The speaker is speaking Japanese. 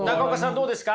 どうですか？